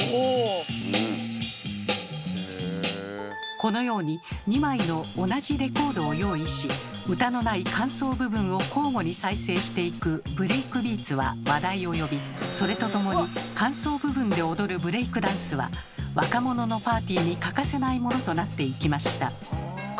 このように２枚の同じレコードを用意し歌のない間奏部分を交互に再生していくブレイクビーツは話題を呼びそれとともに間奏部分で踊るブレイクダンスは若者のパーティーに欠かせないものとなっていきました。